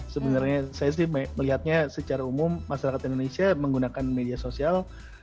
sebenarnya saya sih melihatnya secara umum masyarakat indonesia menggunakan media sosial